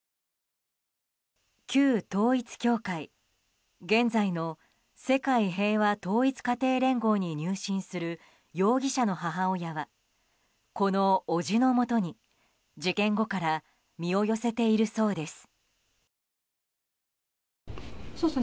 旧統一教会現在の世界平和統一家庭連合に入信する容疑者の母親はこの伯父のもとに事件後から身を寄せているそうです。